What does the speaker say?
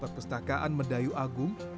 perpustakaan medayu agung milikoy hemi